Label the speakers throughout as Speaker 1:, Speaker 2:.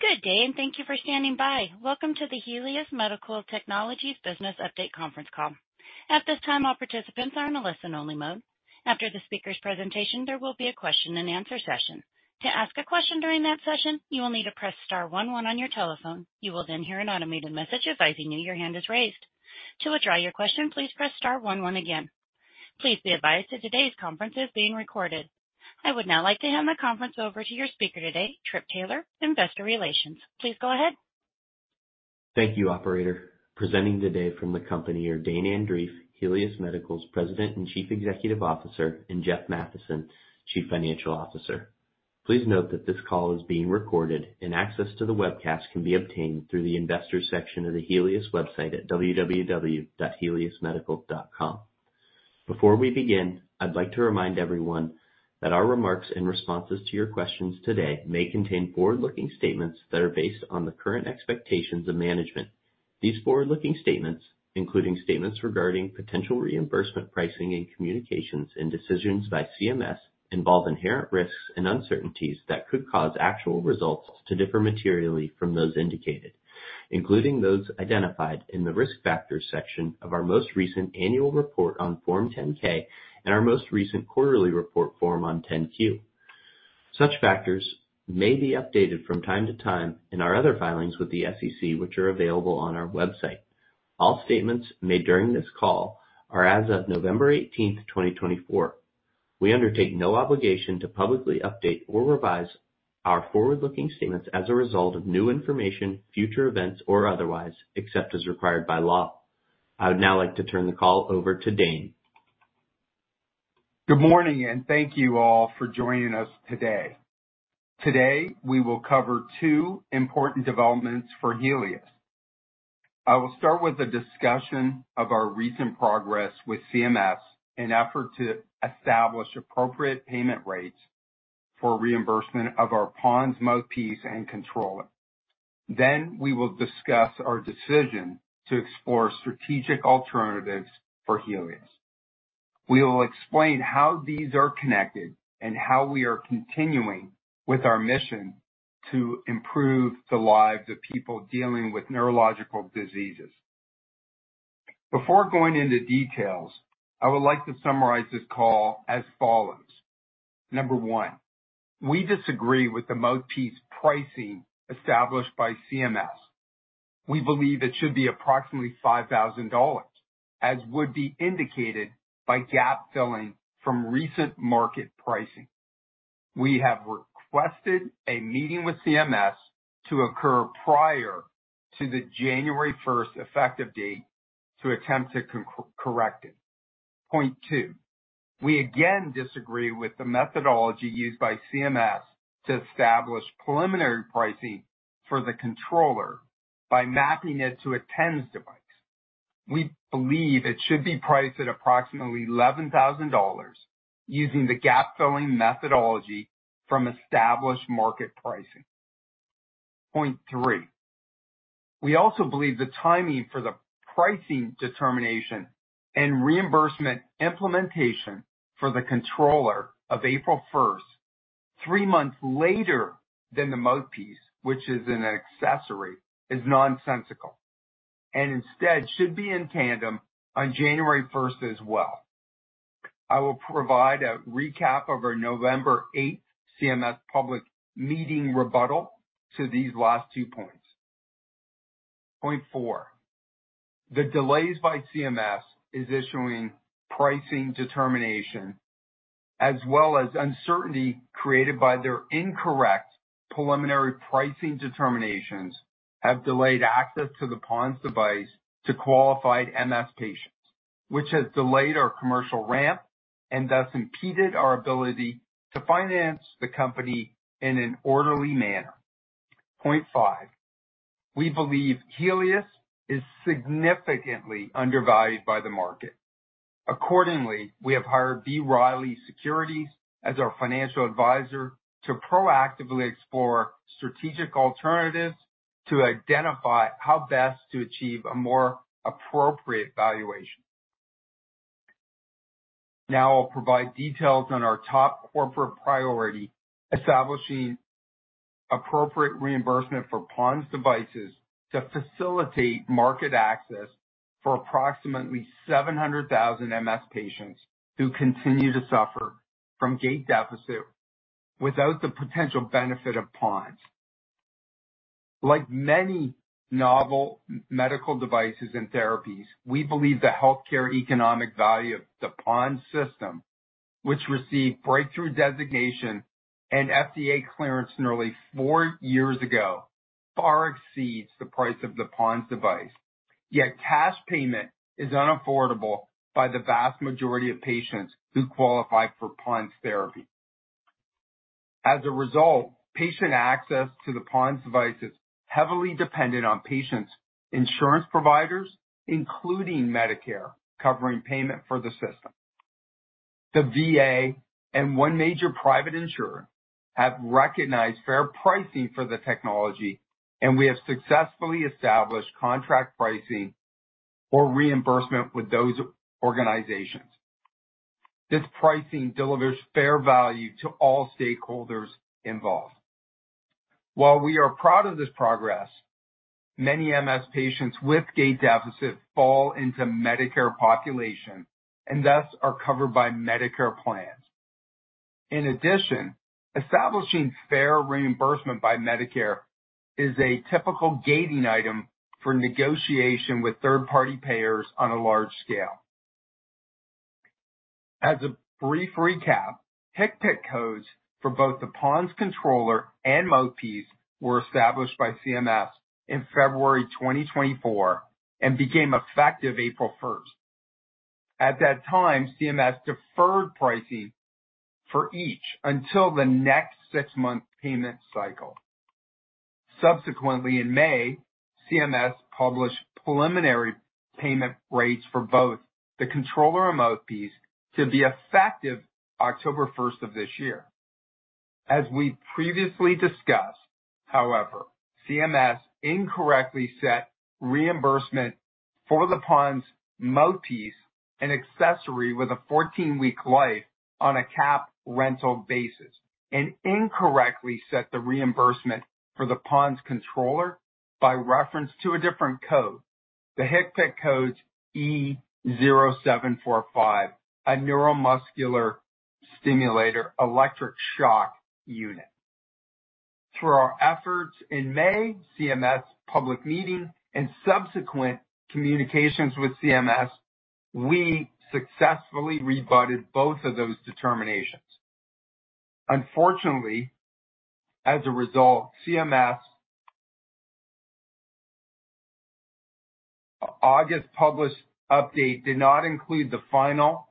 Speaker 1: Good day, and thank you for standing by. Welcome to the Helius Medical Technologies Business Update conference call. At this time, all participants are in a listen-only mode. After the speaker's presentation, there will be a question-and-answer session. To ask a question during that session, you will need to press star one one on your telephone. You will then hear an automated message advising you your hand is raised. To withdraw your question, please press star one one again. Please be advised that today's conference is being recorded. I would now like to hand the conference over to your speaker today, Tripp Taylor, Investor Relations. Please go ahead.
Speaker 2: Thank you, Operator. Presenting today from the company are Dane Andreeff, Helius Medical's President and Chief Executive Officer, and Jeff Mathiesen, Chief Financial Officer. Please note that this call is being recorded, and access to the webcast can be obtained through the Investor section of the Helius website at www.heliusmedical.com. Before we begin, I'd like to remind everyone that our remarks and responses to your questions today may contain forward-looking statements that are based on the current expectations of management. These forward-looking statements, including statements regarding potential reimbursement pricing and communications and decisions by CMS, involve inherent risks and uncertainties that could cause actual results to differ materially from those indicated, including those identified in the risk factors section of our most recent annual report on Form 10-K and our most recent quarterly report on Form 10-Q. Such factors may be updated from time to time in our other filings with the SEC, which are available on our website. All statements made during this call are as of November 18th, 2024. We undertake no obligation to publicly update or revise our forward-looking statements as a result of new information, future events, or otherwise, except as required by law. I would now like to turn the call over to Dane Andreeff.
Speaker 3: Good morning, and thank you all for joining us today. Today, we will cover two important developments for Helius. I will start with a discussion of our recent progress with CMS in an effort to establish appropriate payment rates for reimbursement of our PoNS, PoNS Mouthpiece, and PoNS Controller. Then, we will discuss our decision to explore strategic alternatives for Helius. We will explain how these are connected and how we are continuing with our mission to improve the lives of people dealing with neurological diseases. Before going into details, I would like to summarize this call as follows. Number one, we disagree with the PoNS Mouthpiece pricing established by CMS. We believe it should be approximately $5,000, as would be indicated by gap filling from recent market pricing. We have requested a meeting with CMS to occur prior to the January 1st effective date to attempt to correct it. Point two, we again disagree with the methodology used by CMS to establish preliminary pricing for the controller by mapping it to a TENS device. We believe it should be priced at approximately $11,000 using the gap filling methodology from established market pricing. Point three, we also believe the timing for the pricing determination and reimbursement implementation for the controller of April 1st, three months later than the mouthpiece, which is an accessory, is nonsensical and instead should be in tandem on January 1st as well. I will provide a recap of our November 8th CMS public meeting rebuttal to these last two points. Point four, the delays by CMS issuing pricing determination, as well as uncertainty created by their incorrect preliminary pricing determinations, have delayed access to the PoNS device to qualified MS patients, which has delayed our commercial ramp and thus impeded our ability to finance the company in an orderly manner. Point five, we believe Helius is significantly undervalued by the market. Accordingly, we have hired B. Riley Securities as our financial advisor to proactively explore strategic alternatives to identify how best to achieve a more appropriate valuation. Now, I'll provide details on our top corporate priority: establishing appropriate reimbursement for PoNS devices to facilitate market access for approximately 700,000 MS patients who continue to suffer from gait deficit without the potential benefit of PoNS. Like many novel medical devices and therapies, we believe the healthcare economic value of the PoNS system, which received breakthrough designation and FDA clearance nearly four years ago, far exceeds the price of the PoNS device, yet cash payment is unaffordable by the vast majority of patients who qualify for PoNS therapy. As a result, patient access to the PoNS device is heavily dependent on patients' insurance providers, including Medicare, covering payment for the system. The VA and one major private insurer have recognized fair pricing for the technology, and we have successfully established contract pricing or reimbursement with those organizations. This pricing delivers fair value to all stakeholders involved. While we are proud of this progress, many MS patients with gait deficit fall into Medicare population and thus are covered by Medicare plans. In addition, establishing fair reimbursement by Medicare is a typical gating item for negotiation with third-party payers on a large scale. As a brief recap, HCPCS codes for both the PoNS Controller and Mouthpiece were established by CMS in February 2024 and became effective April 1st. At that time, CMS deferred pricing for each until the next six-month payment cycle. Subsequently, in May, CMS published preliminary payment rates for both the controller and Mouthpiece to be effective October 1st of this year. As we previously discussed, however, CMS incorrectly set reimbursement for the PoNS Mouthpiece, an accessory with a 14-week life on a capped rental basis, and incorrectly set the reimbursement for the PoNS Controller by reference to a different code, the HCPCS code E0745, a neuromuscular stimulator electric shock unit. Through our efforts in May CMS public meeting, and subsequent communications with CMS, we successfully rebutted both of those determinations. Unfortunately, as a result, CMS's August published update did not include the final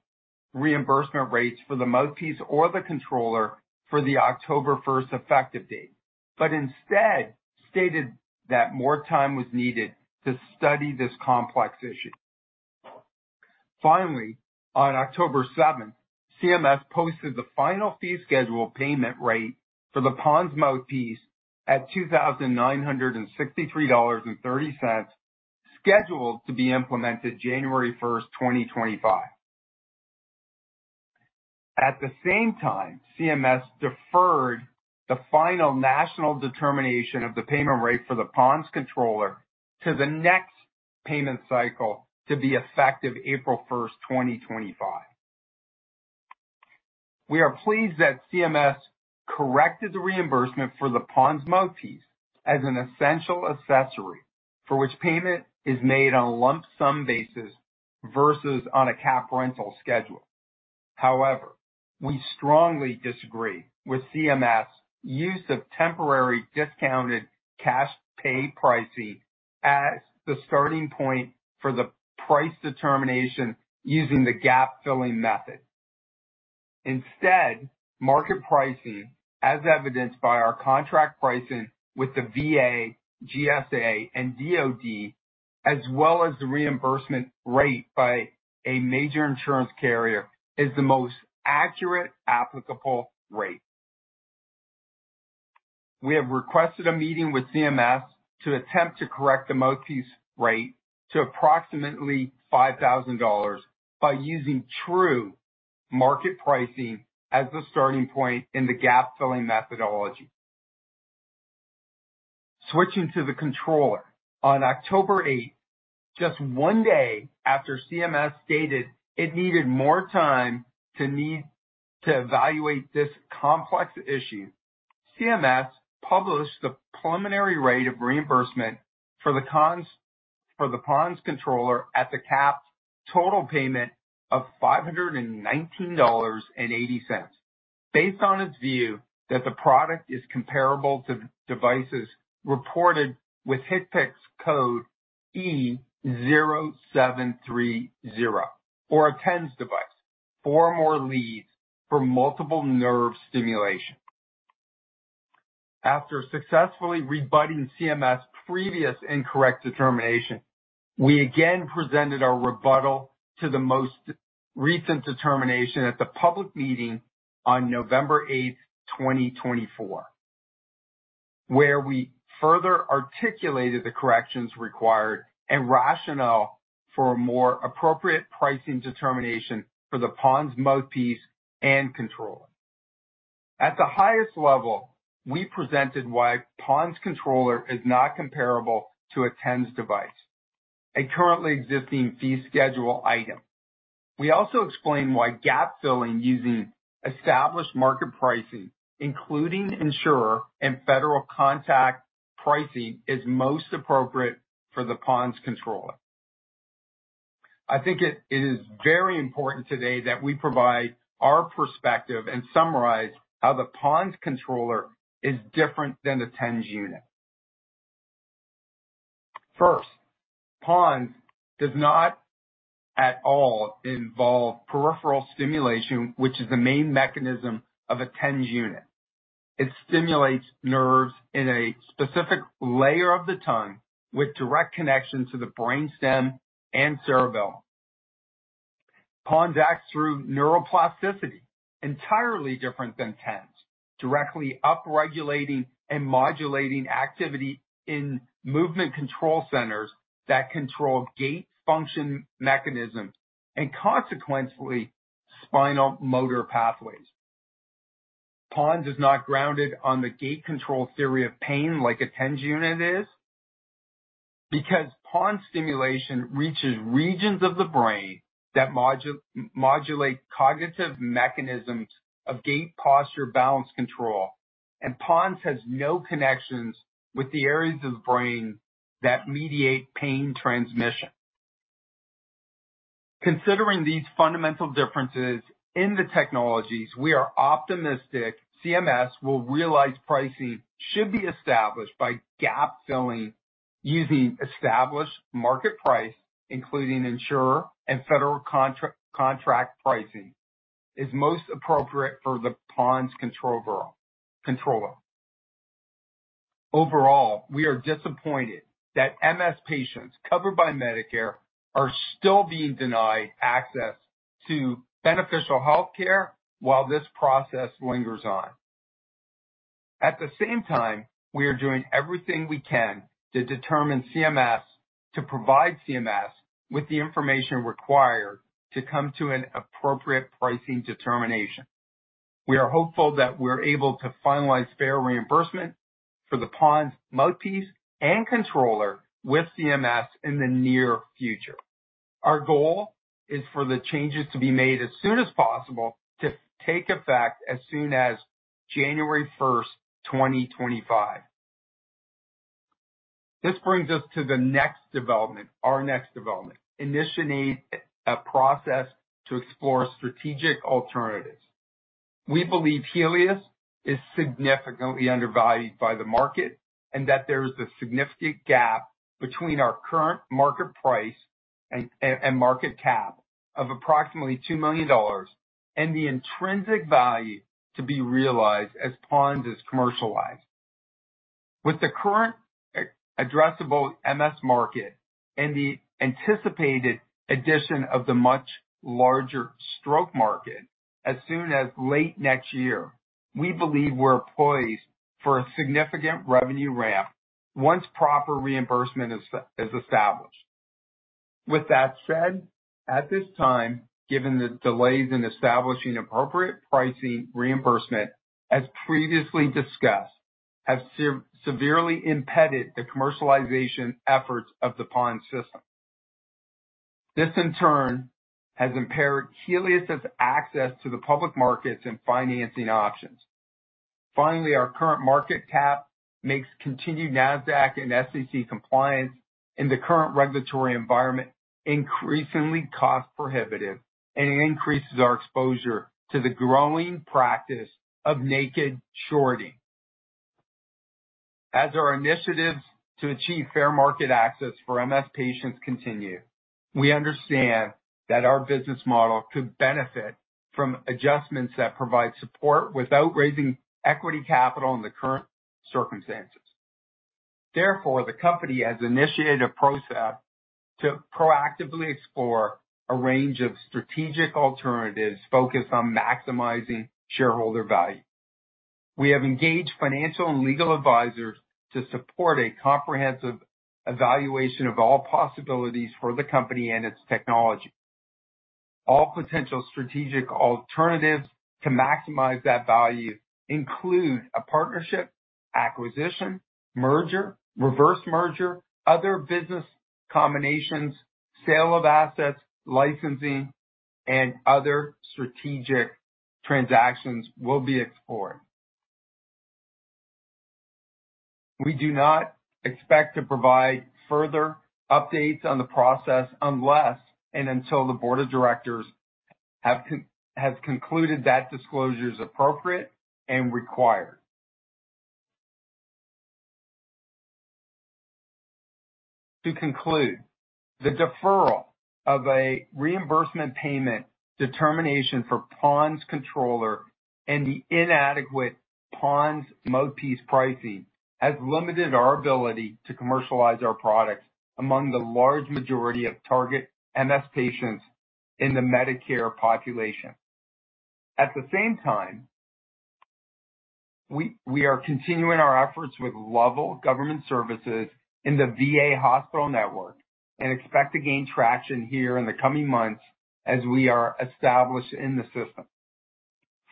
Speaker 3: reimbursement rates for the mouthpiece or the controller for the October 1st effective date, but instead stated that more time was needed to study this complex issue. Finally, on October 7th, CMS posted the final fee schedule payment rate for the PoNS mouthpiece at $2,963.30, scheduled to be implemented January 1st, 2025. At the same time, CMS deferred the final national determination of the payment rate for the PoNS controller to the next payment cycle to be effective April 1st, 2025. We are pleased that CMS corrected the reimbursement for the PoNS mouthpiece as an essential accessory for which payment is made on a lump sum basis versus on a capped rental schedule. However, we strongly disagree with CMS' use of temporary discounted cash pay pricing as the starting point for the price determination using the gap filling method. Instead, market pricing, as evidenced by our contract pricing with the VA, GSA, and DoD, as well as the reimbursement rate by a major insurance carrier, is the most accurate applicable rate. We have requested a meeting with CMS to attempt to correct the mouthpiece rate to approximately $5,000 by using true market pricing as the starting point in the gap filling methodology. Switching to the controller, on October 8th, just one day after CMS stated it needed more time to evaluate this complex issue, CMS published the preliminary rate of reimbursement for the PoNS Controller at the capped total payment of $519.80, based on its view that the product is comparable to devices reported with HCPCS code E0730 or a TENS device, four or more leads for multiple nerve stimulation. After successfully rebutting CMS' previous incorrect determination, we again presented our rebuttal to the most recent determination at the public meeting on November 8th, 2024, where we further articulated the corrections required and rationale for a more appropriate pricing determination for the PoNS Mouthpiece and controller. At the highest level, we presented why PoNS Controller is not comparable to a TENS device, a currently existing fee schedule item. We also explained why gap filling using established market pricing, including insurer and federal contract pricing, is most appropriate for the PoNS Controller. I think it is very important today that we provide our perspective and summarize how the PoNS Controller is different than the TENS unit. First, PoNS does not at all involve peripheral stimulation, which is the main mechanism of a TENS unit. It stimulates nerves in a specific layer of the tongue with direct connection to the brainstem and cerebellum. PoNS acts through neuroplasticity, entirely different than TENS, directly upregulating and modulating activity in movement control centers that control gait function mechanisms and consequently spinal motor pathways. PoNS is not grounded on the gate control theory of pain like a TENS unit is because PoNS stimulation reaches regions of the brain that modulate cognitive mechanisms of gait, posture, balance control, and PoNS has no connections with the areas of the brain that mediate pain transmission. Considering these fundamental differences in the technologies, we are optimistic that CMS will realize pricing should be established by gap filling using established market price, including insurer and federal contract pricing, is most appropriate for the PoNS Controller. Overall, we are disappointed that MS patients covered by Medicare are still being denied access to beneficial healthcare while this process lingers on. At the same time, we are doing everything we can to provide CMS with the information required to come to an appropriate pricing determination. We are hopeful that we're able to finalize fair reimbursement for the PoNS Mouthpiece and Controller with CMS in the near future. Our goal is for the changes to be made as soon as possible to take effect as soon as January 1st, 2025. This brings us to the next development, initiating a process to explore strategic alternatives. We believe Helius is significantly undervalued by the market and that there is a significant gap between our current market price and market cap of approximately $2 million and the intrinsic value to be realized as PoNS is commercialized. With the current addressable MS market and the anticipated addition of the much larger stroke market as soon as late next year, we believe we're poised for a significant revenue ramp once proper reimbursement is established. With that said, at this time, given the delays in establishing appropriate pricing reimbursement, as previously discussed, have severely impeded the commercialization efforts of the PoNS system. This, in turn, has impaired Helius' access to the public markets and financing options. Finally, our current market cap makes continued Nasdaq and SEC compliance in the current regulatory environment increasingly cost-prohibitive and increases our exposure to the growing practice of naked shorting. As our initiatives to achieve fair market access for MS patients continue, we understand that our business model could benefit from adjustments that provide support without raising equity capital in the current circumstances. Therefore, the company has initiated a process to proactively explore a range of strategic alternatives focused on maximizing shareholder value. We have engaged financial and legal advisors to support a comprehensive evaluation of all possibilities for the company and its technology. All potential strategic alternatives to maximize that value include a partnership, acquisition, merger, reverse merger, other business combinations, sale of assets, licensing, and other strategic transactions will be explored. We do not expect to provide further updates on the process unless and until the board of directors has concluded that disclosure is appropriate and required. To conclude, the deferral of a reimbursement payment determination for PoNS Controller and the inadequate PoNS Mouthpiece pricing has limited our ability to commercialize our products among the large majority of target MS patients in the Medicare population. At the same time, we are continuing our efforts with Lovell Government Services in the VA hospital network and expect to gain traction here in the coming months as we are established in the system.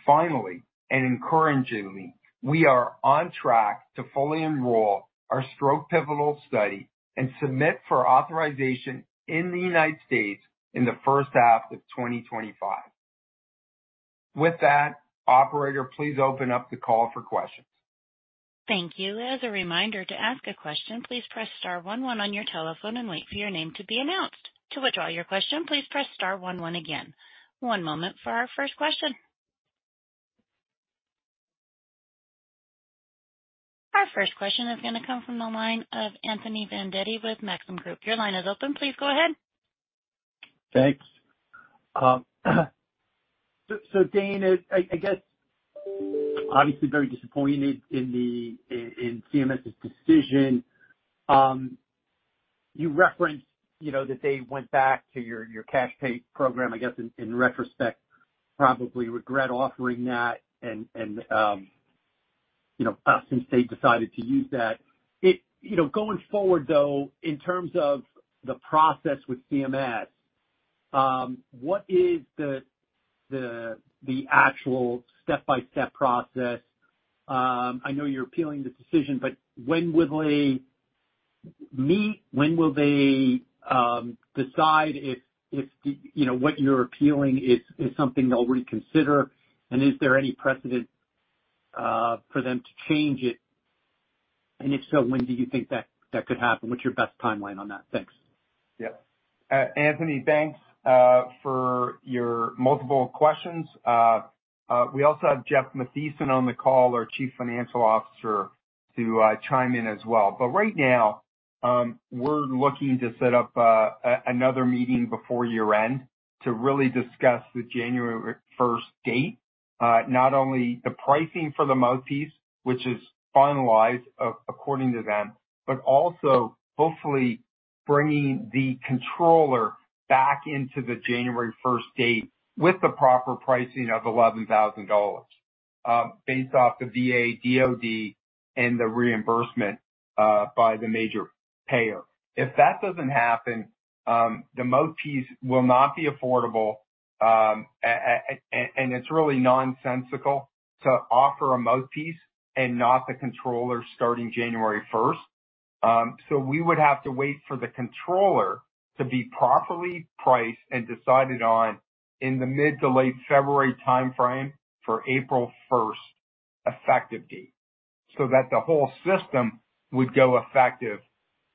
Speaker 3: Finally, and encouragingly, we are on track to fully enroll our stroke pivotal study and submit for authorization in the United States in the first half of 2025. With that, operator, please open up the call for questions.
Speaker 1: Thank you. As a reminder, to ask a question, please press star one one on your telephone and wait for your name to be announced. To withdraw your question, please press star one one again. One moment for our first question. Our first question is going to come from the line of Anthony Vendetti with Maxim Group. Your line is open. Please go ahead.
Speaker 4: Thanks. So, Dane, I guess, obviously very disappointed in CMS' decision. You referenced that they went back to your cash pay program, I guess, in retrospect, probably regret offering that since they decided to use that. Going forward, though, in terms of the process with CMS, what is the actual step-by-step process? I know you're appealing the decision, but when will they meet? When will they decide if what you're appealing is something they'll reconsider? And is there any precedent for them to change it? And if so, when do you think that could happen? What's your best timeline on that? Thanks.
Speaker 3: Yeah. Anthony, thanks for your multiple questions. We also have Jeff Mathiesen on the call, our Chief Financial Officer, to chime in as well. But right now, we're looking to set up another meeting before year-end to really discuss the January 1st date, not only the pricing for the mouthpiece, which is finalized according to them, but also hopefully bringing the controller back into the January 1st date with the proper pricing of $11,000 based off the VA, DoD, and the reimbursement by the major payer. If that doesn't happen, the mouthpiece will not be affordable, and it's really nonsensical to offer a mouthpiece and not the controller starting January 1st. So, we would have to wait for the controller to be properly priced and decided on in the mid- to late-February timeframe for April 1st effective date, so that the whole system would go effective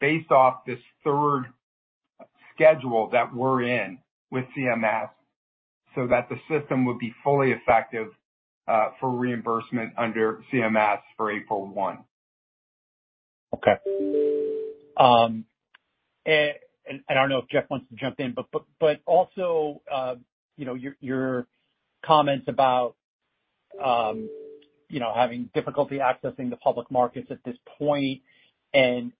Speaker 3: based off this third schedule that we're in with CMS, so that the system would be fully effective for reimbursement under CMS for April 1.
Speaker 4: Okay. And I don't know if Jeff wants to jump in, but also your comments about having difficulty accessing the public markets at this point and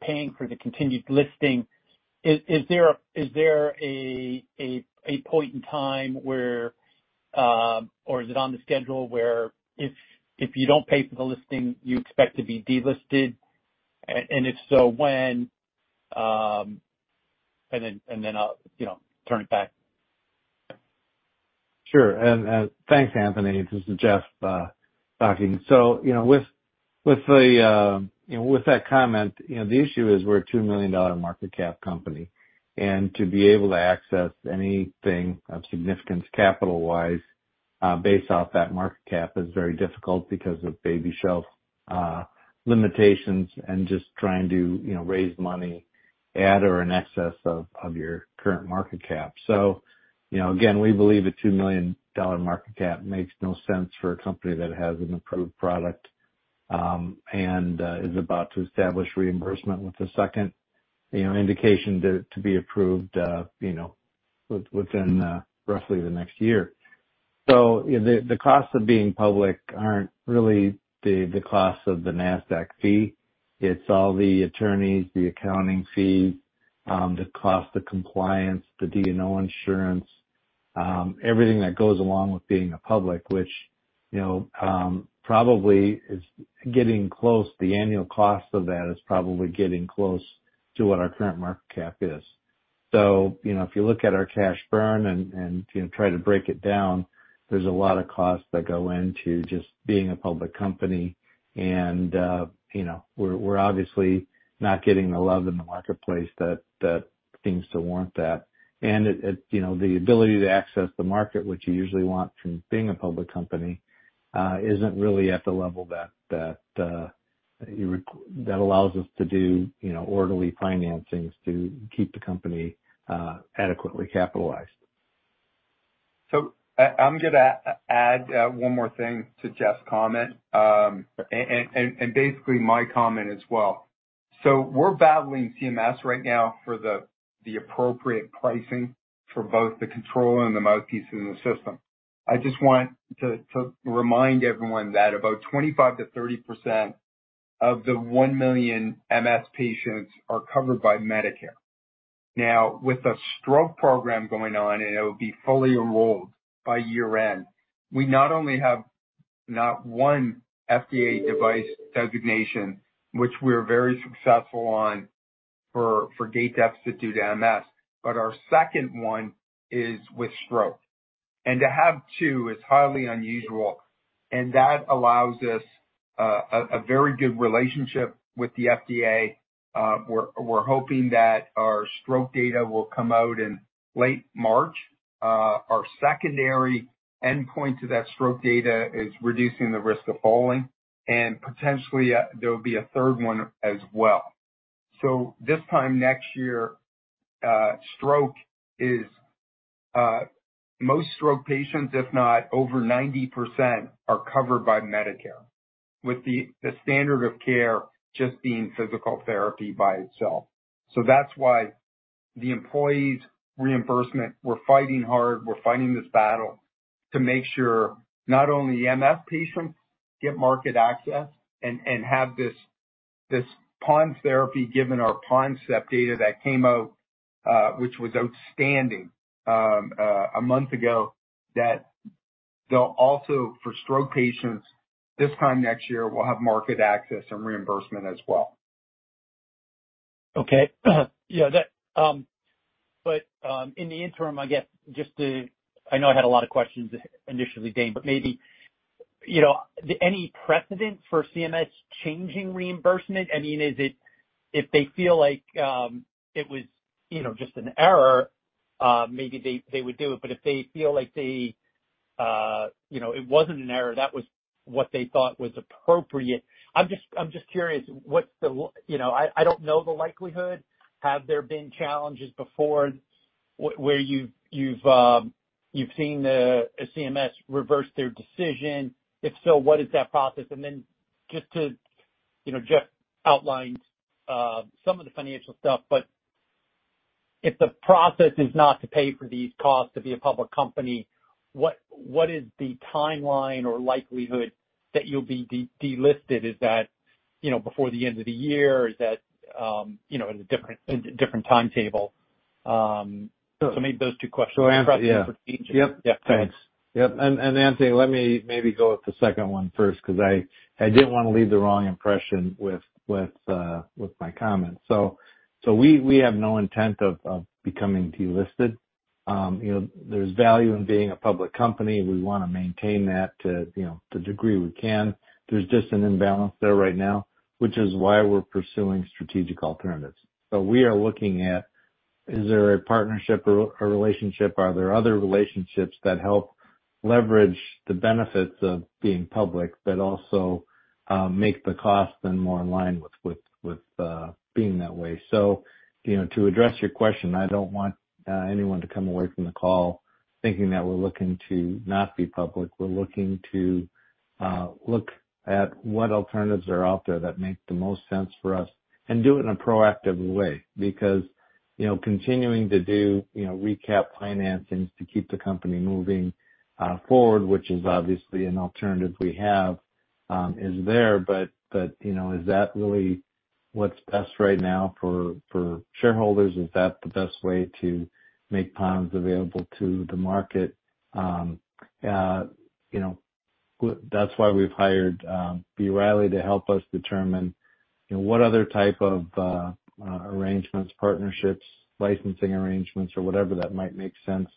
Speaker 4: paying for the continued listing, is there a point in time where or is it on the schedule where if you don't pay for the listing, you expect to be delisted? And if so, when? And then turn it back.
Speaker 5: Sure. And thanks, Anthony. This is Jeff talking. So with that comment, the issue is we're a $2 million market cap company. And to be able to access anything of significance capital-wise based off that market cap is very difficult because of baby shelf limitations and just trying to raise money at or in excess of your current market cap. So again, we believe a $2 million market cap makes no sense for a company that has an approved product and is about to establish reimbursement with a second indication to be approved within roughly the next year. So the costs of being public aren't really the cost of the Nasdaq fee. It's all the attorneys, the accounting fees, the cost of compliance, the D&O insurance, everything that goes along with being a public, which probably is getting close. The annual cost of that is probably getting close to what our current market cap is. So if you look at our cash burn and try to break it down, there's a lot of costs that go into just being a public company. And we're obviously not getting the love in the marketplace that seems to warrant that. And the ability to access the market, which you usually want from being a public company, isn't really at the level that allows us to do orderly financings to keep the company adequately capitalized.
Speaker 3: So I'm going to add one more thing to Jeff's comment and basically my comment as well. So we're battling CMS right now for the appropriate pricing for both the controller and the mouthpiece in the system. I just want to remind everyone that about 25%-30% of the one million MS patients are covered by Medicare. Now, with the stroke program going on, and it will be fully enrolled by year-end, we not only have not one FDA device designation, which we're very successful on for gait deficit due to MS, but our second one is with stroke. And to have two is highly unusual. And that allows us a very good relationship with the FDA. We're hoping that our stroke data will come out in late March. Our secondary endpoint to that stroke data is reducing the risk of falling. Potentially, there will be a third one as well. So this time next year, for stroke, most stroke patients, if not over 90%, are covered by Medicare, with the standard of care just being physical therapy by itself. So that's why the MS reimbursement, we're fighting hard. We're fighting this battle to make sure not only MS patients get market access and have this PoNS therapy given our PoNS-Step data that came out, which was outstanding a month ago, that they'll also, for stroke patients this time next year, we'll have market access and reimbursement as well.
Speaker 4: Okay. Yeah. But in the interim, I guess, just to, I know I had a lot of questions initially, Dane, but maybe any precedent for CMS changing reimbursement? I mean, if they feel like it was just an error, maybe they would do it. But if they feel like it wasn't an error, that was what they thought was appropriate, I'm just curious. I don't know the likelihood. Have there been challenges before where you've seen CMS reverse their decision? If so, what is that process? And then just to, Jeff outlined some of the financial stuff, but if the process is not to pay for these costs to be a public company, what is the timeline or likelihood that you'll be delisted? Is that before the end of the year? Is that at a different timetable? So maybe those two questions.
Speaker 5: So Anthony.
Speaker 4: Impression for changing?
Speaker 5: Yep. Yep. Thanks. Yep. And Anthony, let me maybe go with the second one first because I didn't want to leave the wrong impression with my comment. So we have no intent of becoming delisted. There's value in being a public company. We want to maintain that to the degree we can. There's just an imbalance there right now, which is why we're pursuing strategic alternatives. So we are looking at, is there a partnership or relationship? Are there other relationships that help leverage the benefits of being public, but also make the costs then more in line with being that way? So to address your question, I don't want anyone to come away from the call thinking that we're looking to not be public. We're looking to look at what alternatives are out there that make the most sense for us and do it in a proactive way because continuing to do recap financings to keep the company moving forward, which is obviously an alternative we have, is there. But is that really what's best right now for shareholders? Is that the best way to make PoNS available to the market? That's why we've hired B. Riley to help us determine what other type of arrangements, partnerships, licensing arrangements, or whatever that might make sense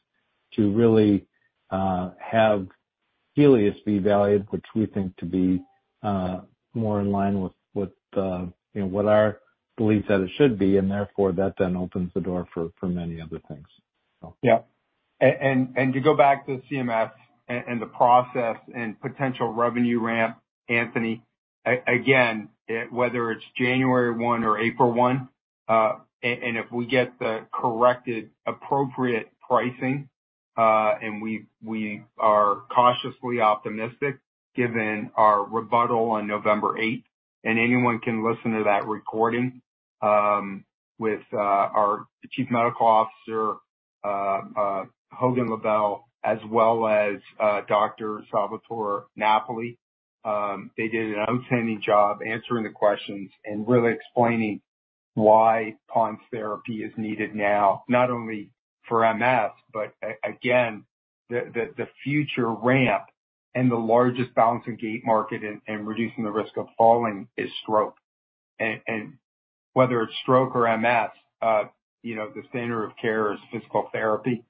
Speaker 5: to really have Helius be valued, which we think to be more in line with what our belief that it should be. And therefore, that then opens the door for many other things.
Speaker 3: Yep. And to go back to CMS and the process and potential revenue ramp, Anthony, again, whether it's January 1 or April 1, and if we get the corrected appropriate pricing and we are cautiously optimistic given our rebuttal on November 8th, and anyone can listen to that recording with our Chief Medical Officer, Hogan Lovells, as well as Dr. Salvatore Napoli, they did an outstanding job answering the questions and really explaining why PoNS therapy is needed now, not only for MS, but again, the future ramp and the largest balancing gait market and reducing the risk of falling is stroke. And whether it's stroke or MS, the standard of care is physical therapy.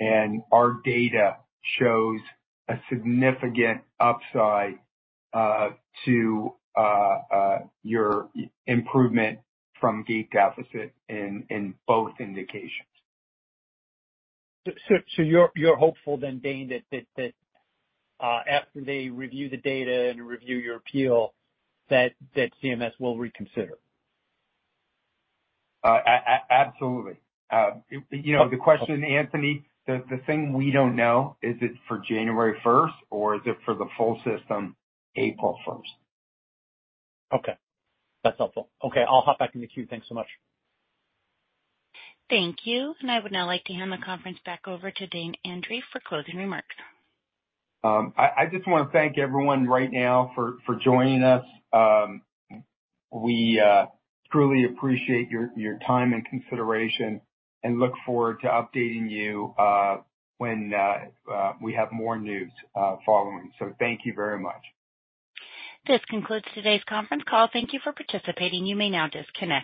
Speaker 3: And our data shows a significant upside to your improvement from gait deficit in both indications.
Speaker 4: So you're hopeful then, Dane, that after they review the data and review your appeal, that CMS will reconsider?
Speaker 3: Absolutely. The question, Anthony, the thing we don't know, is it for January 1st or is it for the full system April 1st?
Speaker 4: Okay. That's helpful. Okay. I'll hop back in the queue. Thanks so much.
Speaker 1: Thank you, and I would now like to hand the conference back over to Dane Andreeff for closing remarks.
Speaker 3: I just want to thank everyone right now for joining us. We truly appreciate your time and consideration and look forward to updating you when we have more news following. So thank you very much.
Speaker 1: This concludes today's conference call. Thank you for participating. You may now disconnect.